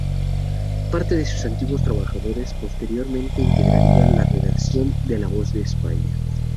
Parte de sus antiguos trabajadores posteriormente integrarían la redacción de "La Voz de España".